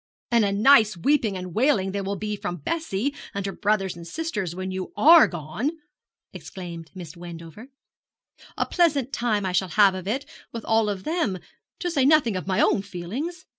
'And a nice weeping and wailing there will be from Bessie and her brothers and sisters when you are gone!' exclaimed Miss Wendover; 'a pleasant time I shall have of it, with all of them to say nothing of my own feelings.